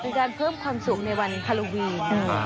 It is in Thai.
เป็นการเพิ่มความสุขในวันฮาโลวีน